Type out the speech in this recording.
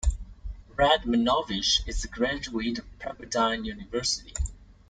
Radmanovich is a graduate of Pepperdine University.